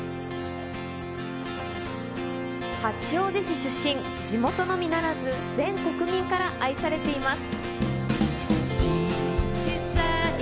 八王子市出身、地元のみならず、全国民から愛されています。